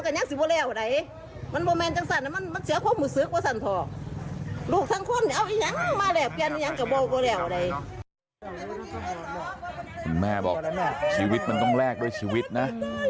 คุณแม่บอกชีวิตมันต้องแลกด้วยชีวิตนะ